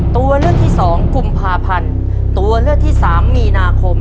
ตัวเลือกที่สองกุมภาพันธ์ตัวเลือกที่สามมีนาคม